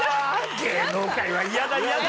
芸能界は嫌だ嫌だ。